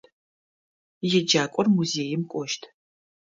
Еджакӏор музеим кӏощт.